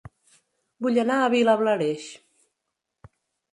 Vull anar a Vilablareix